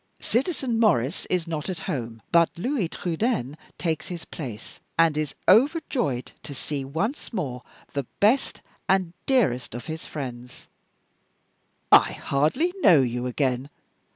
Citizen Maurice is not at home; but Louis Trudaine takes his place, and is overjoyed to see once more the best and dearest of his friends!" "I hardly know you again.